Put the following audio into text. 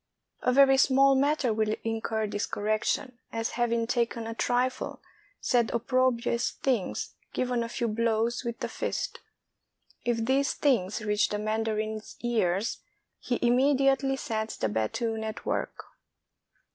A very small matter will incur this correction ; as having taken a trifle, said opprobrious things, given a few blows with the fist. If these things reach the mandarin's ears, he immediately sets the battoon at work.